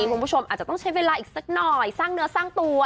คุณผู้ชมอาจจะต้องใช้เวลาอีกสักหน่อยสร้างเนื้อสร้างตัว